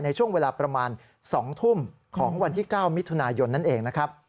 ในช่วงเวลาประมาณ๒ทุ่มของวันที่๙มิถุนายนนั่นเองนะครับ